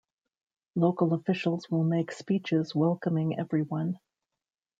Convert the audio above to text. Local officials will make speeches welcoming everyone.